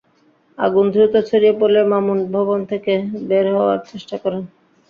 আগুন দ্রুত ছড়িয়ে পড়লে মামুন ভবন থেকে বের হওয়ার চেষ্টা করেন।